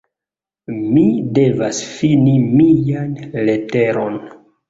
Mi devas ﬁni mian leteron.